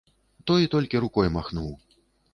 Той толькі рукой махнуў.